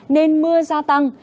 nên mưa gia tăng